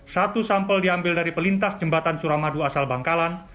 satu sampel diambil dari pelintas jembatan suramadu asal bangkalan